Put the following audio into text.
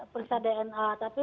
periksa dna tapi